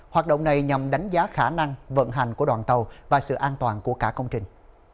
hoạt động này nhằm đánh giá khả năng vận hành của đoàn tàu và sự an toàn của cả công trình